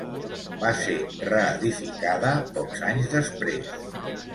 Va ser reedificada pocs anys després.